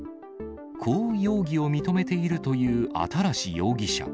こう容疑を認めているという新容疑者。